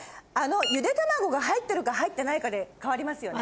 ゆで卵が入ってるか入ってないかで変わりますよね。